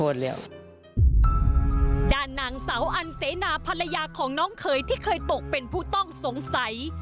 นางสาวอันเสนาภรรยาของน้องเขยที่เคยตกเป็นผู้ต้องสงสัย